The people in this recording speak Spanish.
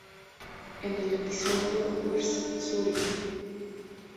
En el episodio "Where's Zuri?